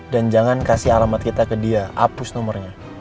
dan jangan kasih alamat kita ke dia hapus nomornya